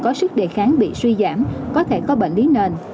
có sức đề kháng bị suy giảm có thể có bệnh lý nền